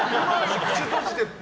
口閉じてって。